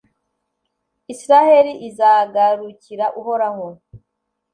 Israheli izagarukira Uhoraho